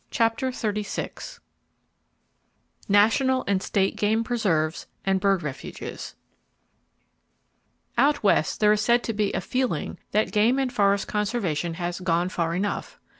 [Page 335] CHAPTER XXXVI NATIONAL AND STATE GAME PRESERVES, AND BIRD REFUGES Out West, there is said to be a "feeling" that game and forest conservation has "gone far enough."